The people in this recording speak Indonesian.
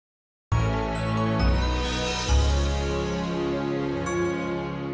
ummenya dekorasi tempat antara lemah daunque